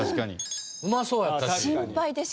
うまそうやったし。